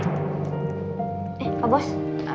eh pak bos